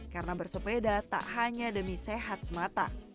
karena bersepeda tak hanya demi sehat semata